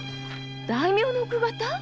大名の奥方？